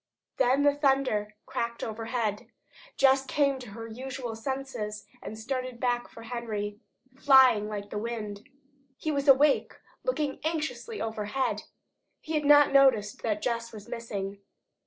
Then the thunder cracked overhead. Jess came to her usual senses and started back for Henry, flying like the wind. He was awake, looking anxiously overhead. He had not noticed that Jess was missing.